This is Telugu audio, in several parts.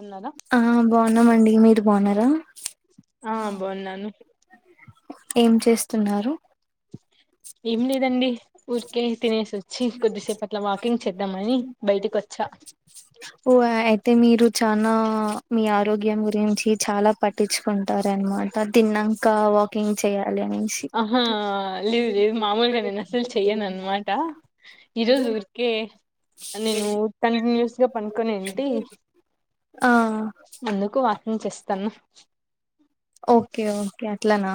అన్నారా ఆ బాగున్నామండి మీరు బాగున్నారా ఆ బాగున్నాను ఏం చేస్తున్నారు ఏం లేదండి ఊరికే తినేసి వచ్చి కొద్దిసేపట్లా వాకింగ్ చేద్దామని బయటకి వచ్చా ఓ అయితే మీరు చనా మీ ఆరోగ్యం గురించి చాలా పట్టించుకుంటారనమాట తిన్నాక వాకింగ్ చేయాలి అనేసి ఆహా లేదు లేదు మామూలుగానే అసలు చెయను అనమాట ఈరోజు ఉరికే నేను కంటిన్యూస్ గా పనుకొనే ఏంటి ఆ అందుకు వాకింగ్ చేస్తాన ఓకే ఓకే అట్లానా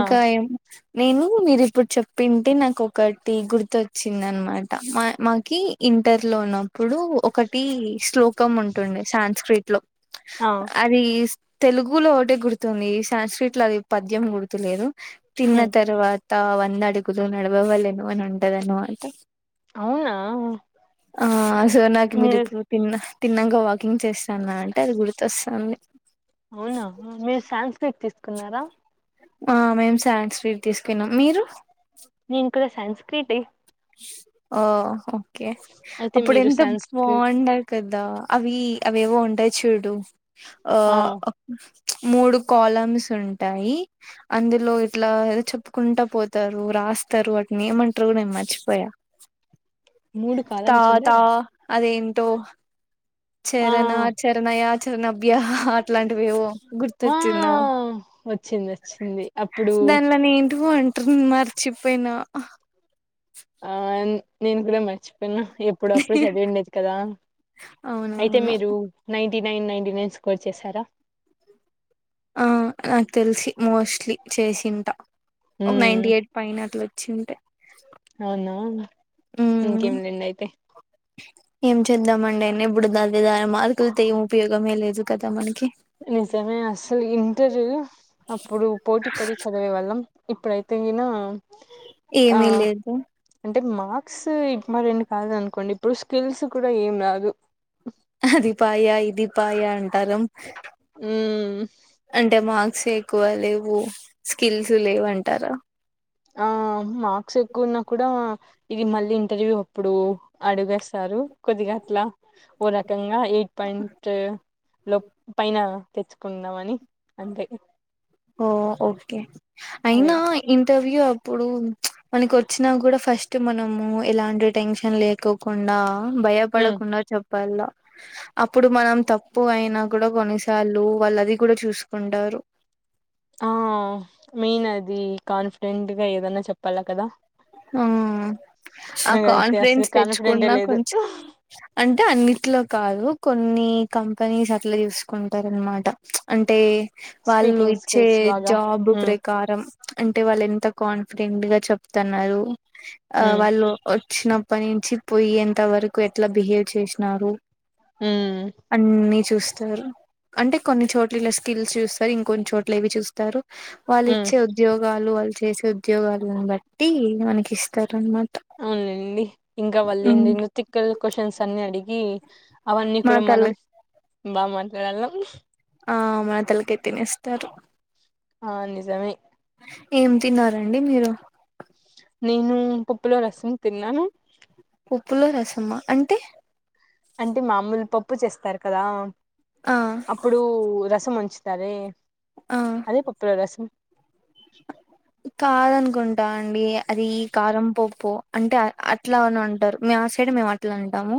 ఆ ఏం నేను మీరిప్పుడు చెప్పింటే నాకు ఒకటి గుర్తుచ్చింది అనమాట మా మాకి ఇంటర్ లో ఇప్పుడు ఒకటి శ్లోకం ఉంటుండే సంస్క్రిట్ లో ఆ అది తెలుగులో ఒకటే గుర్తుంది సాంస్క్రిట్ లో అది పద్యం గుర్తులేదు తిన్న ఉమ్ తర్వాత వంద అడుగులు నడవ వలెను అని ఉంటదన్న మాట అవునా ఆ సో నాకి మీరు మీరిపుడు తిన్నా తిన్నంక వాకింగ్ చేస్తాను అంటే అది గుర్తొస్తుంది అవునా మీరు శాంస్క్రిట్ తీసుకున్నారా ఆ మేము సాంస్క్రిట్ తీసుకున్నాం మీరు నేను కూడా సాంస్క్రిటె ఓ ఓకే అయితే అప్పుడు మీరు ఎంత సాన్స్క్రిట్ బాగుండే కదా అవి అవివో ఉంటాయి చూడు ఆ మూడు కాలమ్స్ ఉంటాయి అందులో ఇట్లా చెప్పుకుంటా పోతారు రాస్తారు వాటిని ఏమంటారు కూడా నేను మర్చిపోయా మూడు తా కాలమ్స్ ఉండే తా అదేం ఆ చెరణ ఆచరణ చరనా అభ్య అట్లాంటివేవో ఆ గుర్తొచ్చింద వచ్చింది వచ్చింది అప్పుడు దానిలోనీ అంటారు మర్చిపోయినా ఆ నేను కూడా మచ్ ఎప్పుడప్పుడు చదివ ఉండేది కదా అయితే అవునవును మీరు నైన్టీ నైన్ నై నైన్ స్కోర్ చేసారా ఆ నాకు తెలిసి మోస్ట్లీ చేసింట ఒక మ్మ్ నైన్టీ ఎయిట్ పైనాట్ల వచ్చి ఉంటాయి అవున ఇంకేంలెండి అయితే ఏం చేద్దామండి అయినప్పుడు దా అదేదాని మార్కులతో ఏం ఉపయోగమే లేదు కదా మనకి నిజమే అసలు ఇంటర్ అప్పుడు పోటీ పడి చదివేవాళ్ళం ఇప్పుడు తెగిన ఏమి లేదు టే మార్క్స్ ఇప్మాటెంట్ కాదు అనుకోండి ఇప్పుడు స్కిల్స్ కూడా ఏం రాదు అది పాయ ఇది పాయ అంటారం మ్మ్ అంటే మా సే ఎక్కువలేవు స్కిల్స్ లేవంటారా ఆ మార్క్స్ ఎక్కువున్నా కూడా ఇది మళ్ళీ ఇంటర్వ్యూ అప్పుడు అడుగేస్తా రు కొద్దిగ అట్ల ఓరకంగా ఎయిట్ పాయింట్ లో పైన తెచ్చుకుందామని అంతే ఓ ఓకే అదే అయినా ఇంటర్వ్యూ ప్పుడు మనకి వచ్చినా కూడా ఫస్ట్ మనము ఎలాంటి టెన్షన్ లేకోకుండా ఉమ్ భయపడకుండా చె ప్పల్ల అప్పుడు మనం తప్పు అయినా కూడా కొన్నిసార్లు వాళ్ళు అది కూడా చూసుకుంటా రు ఆ మెయిన్ అది కాన్ఫిడెంట్‌గా ఏదన్నా చెప్పాలా కదా ఉమ్మ్ ఆ నాకైతే అసలు కాన్ఫిడెన్స్ కాన్ఫిడెంటే తెచ్చుకున్నా లేదు కొంచెం అంటే అన్నిట్లో కాదు కొన్ని కంపెనీస్ అట్లా చూసుకుంటారు అనమాట అంటే వాళ్ళు స్పీకింగ్ ఇచ్చే స్కిల్స్ బాగా జాబ్ ఉమ్ ప్రకారం అంటే వాళ్ళు ఎంత కాన్ఫిడెంట్‌గా చెప్తున్నారు ఆ ఉమ్ వాళ్ళు వచ్చిన ప్పనించి పోయేంత వరకు ఎట్లా బిహేవ్ చేసినారు ఉమ్ అన్ని చూస్తారు అంటే కొన్ని చోట్ల ఇలా స్కిల్స్ చూస్తారు ఇంకొన్ని చోట్ల ఇవి చూస్తారు వాళ్ళు ఉమ్ ఇచ్చే ఉద్యోగాలు వాళ్ళు చేసే ఉద్యోగాలను బట్టి మనకి ఇస్తారన్నమ అవునులేండి ఇంగ వాళ్లు ఎన్నెన్నో తిక్కలు క్వశ్చన్ అన్ని అడిగి అవన్నీ మన కూడా తల మనం బా మాట్లాడాలా ఆ మన తలకాయ్ తినేస్తారు ఆ నిజమే ఏం తిన్నారంండి మీరు నేను పప్పులో రసం తిన్నాను పప్పులో రసమా అంటే అంటే మామూలు పప్పు చేస్తారు కదా ఆ అప్పుడు రసం వంచు తారే ఆ అదే పప్పులో రసం కాదనుకుంటా అండి అది కారం పప్పు అంటే అట్లా అని ఉంటారు మేం ఆసైడ్ మేము అట్లా అంటాము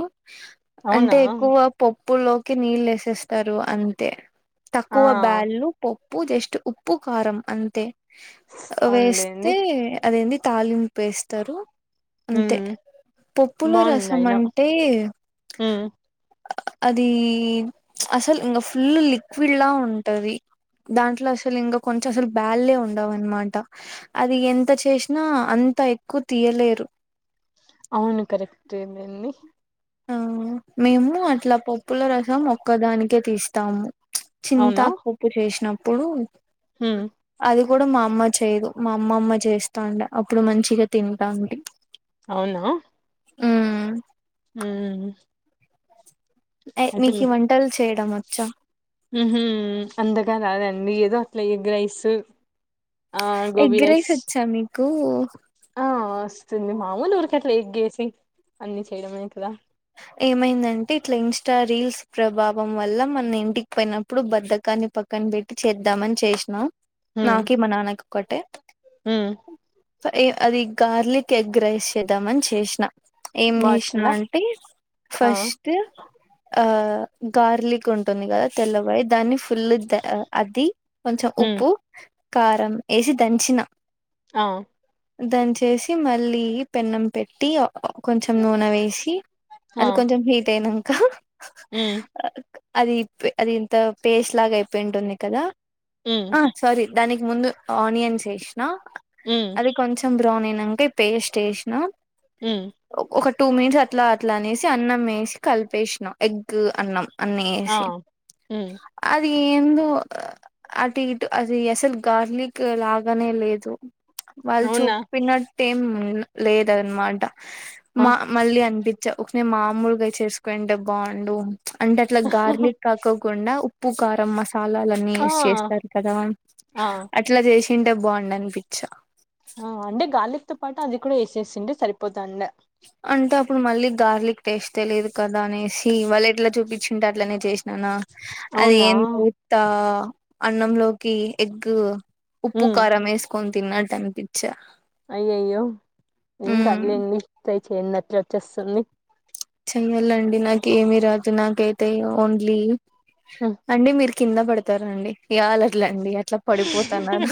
అవునా అంటే ఎక్కువ పప్పులోకి నీళ్ళు ఏసేస్తారు అంతే ఆ తక్కువ బ్యాళ్ళు పప్పు జస్ట్ ఉప్పు కారం అంతే వేస్తే అవునులేండి అదేంది తాలింపు ఎస్తారు ఉమ్ అంతే పప్పులో బాగుంది రసం అయినా అంటే ఉమ్ అది అసల్ ఇంగ ఫుల్ లి క్విడ్ల ఉంటది దాంట్లో అసలు ఇంకా కొంచెం అసలు బ్యాల్లే ఉండవు అనమ ట అది ఎంత చేసినా అంత ఎక్కువ తీయలేరు అవును కరెక్టేనండి ఆ మేము అట్లా పప్పులో రసం ఒక్కదానికే తీస్తాము అవునా చింతాకు పప్పు చేసినప్పుడు ఉమ్ అది కూడా మా అమ్మ చేయ్యదు మా అమ్మమ్మ చేస్తాండే అప్పుడు మంచిగా తింటంటి అవునా ఉమ్ ఉమ్ మీకు ఆచిల్ల ఈ వంటలు చేయడం వచ్చా ఉహు అంతగా రాదండి ఏదో అట్లా ఎగ్ రైస్ ఆ గోబీ రైస్ ఎగ్గరేసోచ్చా మీకు ఆ వస్తుంది మామూలు ఊరికే అట్లా ఎగ్గేసి అన్ని చేయడమే కదా ఏమైందంటే ఇట్లా ఇన్స్టా రీల్స్ ప్రభావం వల్ల మన ఇంటికి పోయినప్పుడు బద్ధకాన్ని పక్కన పెట్టి చేద్దామని చేసినాం ఉమ్ నాకి మ నానకోకటే ఉమ్ ఏ అది గార్లిక్ ఎగ్ రైస్ చేద్దాంని చేసినా ఏం బా చేసినా వచ్చిందా ఏం చేసిన అంటే ఆ ఫస్ట్ ఆ గార్లిక్ ఉంటుంది కదా తెల్లవడి దాన్ని ఫుల్ ద అది కొంచెం ఉమ్ ఉప్పు కారం ఏసి దంచిన ఆ దంచేసి మళ్ళీ పెన్నం పెట్టి కొంచెం నూనె వేసి ఆ అది కొంచెం హీట్ అయినంక ఉమ్ అది పే అది ఇంత పేస్ట్ లాగా అయిపోయింటుంది కదా ఉమ్ ఆ సారీ దానికి ముందు ఆనియన్స్ ఎసినా ఉమ్ అది కొంచెం బ్రౌన్ అయిక పేస్ట్ ఎసిన ఉమ్ ఒక టూ మినిట్స్ అట్లా ఏసీ అన్నం వేసి కలిపేసినాం ఎగ్ అన్నం అన్ని ఆ ఏసి ఉమ్ అదిఏందో అటు ఇటు అది అసలు గార్లిక్ లాగానే లేదు వాళ్ళు అవునా చూప్పినటైం లేదన్నమాట ఆ మా మళ్ళీ అనిపి ఒకే మామూలుగాయ చేసుకుంటే బాగుండు అంటే అట్లా గార్లిక్ కాక్కకుండా ఉప్పు కా కారం మసాలాలన్నీ ఆ ఎస్సేసినామ్ కదా ఆ అట్లా జె చేసుంటే బాగుండనిపించ ఆ అంటే గార్లిక్ తో పాటు అది కూడా వేసేసిండ సరిపోతాండే అంటే అప్పుడు మళ్ళీ గార్లిక్ టేస్తే లేదు కదా అనేసి వాళ్ళు ఎట్లా చూపించింటే అట్లనే చేస్ అనా అది అవునా ఏంత్త అన్నంలోకి ఎగ్గు ఉప్పు ఉమ్ ఖారం ఎస్కొని తిన్నాట్టు అనిపిచ్ అయ్యయ్యో ఏం కాదులేండి ట్రై చేయండి అట్ల వచ్చేస్తుంది చెయ్యాలండి నాకు ఏమి రాదు నాకైతే ఓన్లీ ఉమ్ అండి మీరు కింద పడతారండి ఇలర్లే అండి అట్లా పడిపోతన్నార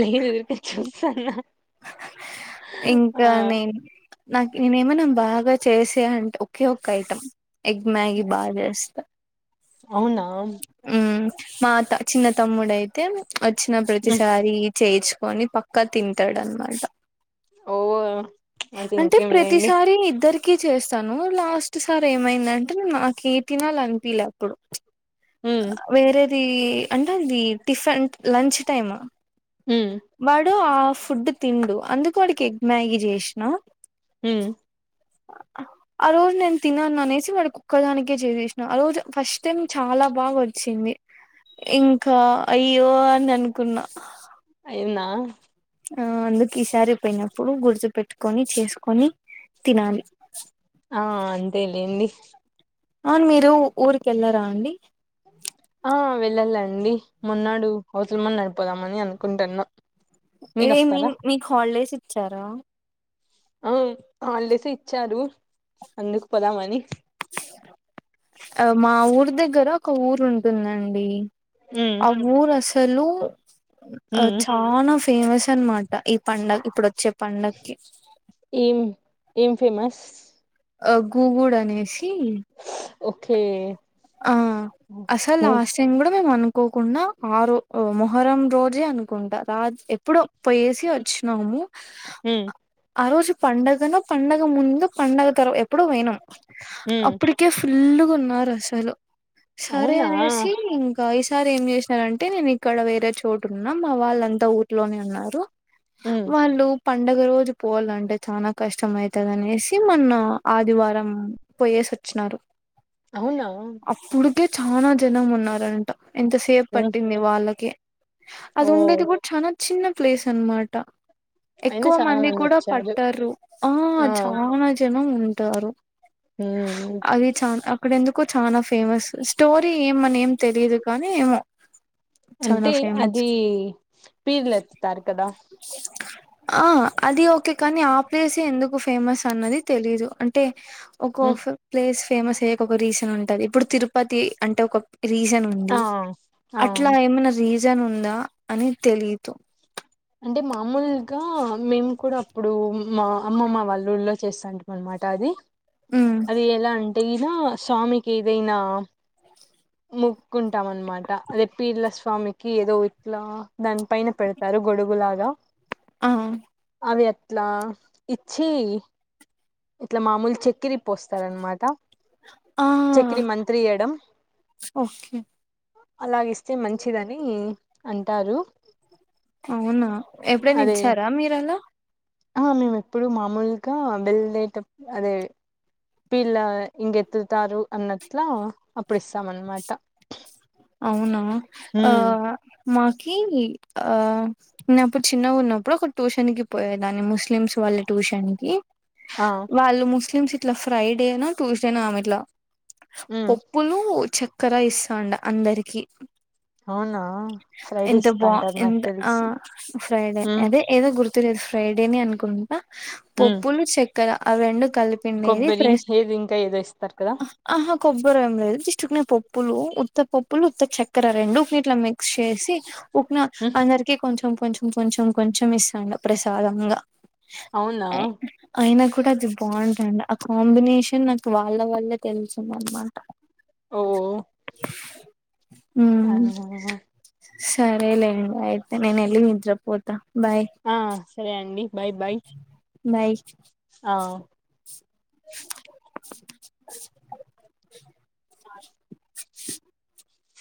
నేను ఊరికే చూస్తాన్నా ఆ ఇంకా నేన్ నాకు నేనేమైనా బాగా చేసే అం ఒకే ఒక ఐటం ఎగ్ మ్యాగి బాగా చేస్తా అవునా ఉమ్ మాత ఉమ్ చిన్న తమ్ముడుయితే వచ్చిన ప్రతిసారి చేయిచ్ పోని పక్కా తింటాడనమాట ఓ అయితే అంటే ఇంకేం లేండి ప్రతిసారి ఇద్దరీ కి చేస్తాను లాస్ట్ సార్ ఏమైందంటే నాకి తినాలి అనిపలే అప్పుడు ఉమ్ వేరేది అంటే అది టిఫిన్ లంచ్ టైమ్ ఉమ్ వడు ఆఫ్ ఫుడ్డు తిండు అందుకు వాడికి ఎగ్ మ్యాగ చేసినా ఉమ్ ఆ రోజు నేను తినను అనేసి వాడు కుక్కదాకే చేసేసినాను ఆ రోజు ఫస్ట్ టైం చాలా బాగా ఒచ్ వచ్చింది ఇంకా అయ్యో అని అనుకున్నా అయిందా ఇప్పుడు గుర్తు పెట్టుకొని చేసుకొని తినాలి ఆ అంతేలేండి అవును మీరు ఊరికేళ్ళారా అండి ఆ వెళ్ళాలండి మొన్నాడు అవతల మొన్నాడు పోదామని అనుకుంటున్నా ఏ మీ మీరొస్తారా మీకు హాలిడేస్ ఇచ్చారా ఆ హల్డేసే ఇచ్చారు అందుకు పోదామని ఆ మా ఊరు దగ్గర ఒక ఊరు ఉంటుందండి ఉమ్ ఆ ఊర్ అసలు అ ఉమ్ చానా ఫేమస్ అనమాట ఈ పండగ ఇప్పుడు వచ్చే పండక్కి ఏం ఏం ఫేమస్ ఆ గూగుడు అనేసి ఓకే ఆ అసలు ఉమ్ లాస్ట్ టైం కూడా మేము అనుకో కోకుండా ఆరో మొహరం రోజే అనుకుంటా రా ఎప్పుడో పోయేసి వచ్చినాము ఉమ్ ఆ రోజు పండుగనో పండగ ముందు పండగ తర ఎప్పుడో పోయినాం ఉమ్ అప్పటికే ఫుల్గా ఉన్నారు అసలు సరే అవునా అనేసి ఇం ఇంకా ఈసారి ఏం చేసినారంటే నేను ఇక్కడ వేరే చోట ఉన్నా మా వాళ్ళంతా ఊర్లోనే ఉన్నారు ఉమ్ వాళ్ళు పండగ రోజు పోవాలంటే చానా కష్టంమయితది అనేసి మన్న ఆదివారం పోయేసి వచ్చినారు అవునా కే చానా జనం ఉన్నారంట ఎంతసేపు ఉమ్ పట్టింది వాళ్ళకే అది ఓ ఉండేది కూడా చానా చిన్న ప్లేస్ అనమాట అయినా ఎక్కువ చాలా మంది కూడా వచ్చారు పట్టారు ఆ చానా జనం ఉంటారు ఉమ్ చ అక్కడ ఎందుకో చానా ఫేమస్ స్టోరీ ఏమని ఏం తెలిదు కానీ ఏమో చనా అంటే ఫేమస్ అది పీర్లు ఎత్తుతారు కదా ఆ అది ఓకే కానీ ఆ ప్లేస్ ఎందుకు ఫేమస్ అన్నది తెలీదు అంటే ఒక ఉమ్ ప్లేస్ ఫేమస్ అయ్యక ఒక రీజన్ వుంటది వుంటది ఇప్పుడు తిరుపతి అంటే ఒక రీజన్ ఆ ఉంది ఆ అట్లా ఏమైనా రీ రాజన్ ఉందా అని తెలియదు అంటే మామూలుగా మేము కూడా అప్పుడు మా అమ్మమా వాళ్ల్ళూలో చేస్తాం అనమాట అది ఉమ్ అది ఎలా అంటే ఈన స్వామికి ఏదైనా మూక్కుకుంటాం అనమాట అదే పీర్ల స్వామికి ఏదో ఇట్లా దాని పైన పెడతారు గొడుగులాగ ఆ అవి అట్లా ఇచ్చి ఇట్లా మామూలు చెక్ చకిరి పోస్తారనమాట ఆ చకిరి మంత్రియడం ఓకే అలాగిస్తే మంచిదని అంటారు అవునా ఎప్పుడైనా అదే ఇచ్చారా మీరు అలా ఆ మేము ఎప్పుడు మామూలుగా వెళ్ళేటప్పుడు అదే వీళ్ళ ఇంకెత్తుతారు అన్నట్లా అప్పుడు ఇస్తాం అన్నమాట అ ఆ మాకి ఆ నన్నప్పుడు చిన్నగా ఉన్నప్పుడు ఒక ట్యూషన్ కి పోయేదాన్ని ముస్లిమ్స్ వాళ్ళ ట్యూషన్ కి ఆ వాళ్ళు ముస్లిమ్స్ ఇట్లా ఫ్రైడేనా ట్యూస్డేనో ఇట్లా ఉమ్ పోప్పులు చక్కెర ఇస్తండ అందరికి అవునా ఫ్రైడే ఎంత బా ఇస్తాంటారు నాకు ఎంత ఆ తెలిసి ఫ్రైడే ఉమ్ అదే ఏదో గుర్ లేదు ఫ్రైడేనే అనుకుంటా ఉమ్ పప్పులు చెక్కర అవి రెండు కల్ నిది కొబ్బరి ఫ్రె ఏది ఇంకా ఏదో ఇస్తారు కదా అహ కొబ్బరి ఏం లేదు జస్ చ్చుకునే పప్పులు ఉత్త పప్పులు ఉత్త చక్కెర రెండు ఇట్లా మిక్స్ చేసి ఉక్న ఉమ్ అందరికిీ కొంచెం కొంచెం కొంచెం కొంచెం ఇస్తా ఇంగ ప్రసాదంగా అవునా ఐ- అయినా కూడా అది బాగుం కాంబినేషన్ నాకు వాళ్ళ వళ్ళే తెలిసిందన్నమాట ఓ అ సరే లే ఇంగ అయితే నేను ఎళ్ళి నిద్ర పోత ఆ సరే అండి బాయ్ బాయ్ బాయ్ ఆ